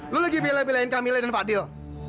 lo lagi pilih pilihin camilla dan fadil